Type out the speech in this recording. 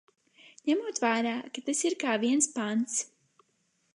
Ņemot vērā, ka tas ir kā viens pants.